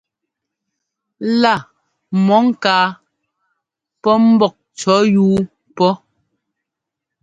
La mɔ ŋká pɔ mbɔ́k cʉ̈ yuu pɔ.